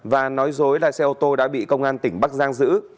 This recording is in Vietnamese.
và nói dối là xe ô tô đã bị công an tỉnh bắc giang giữ